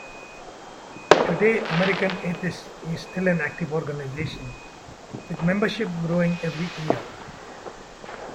Today American Atheists is still an active organization with membership growing every year.